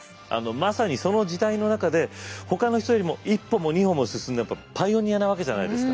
まさにその時代の中でほかの人よりも一歩も二歩も進んだパイオニアなわけじゃないですか。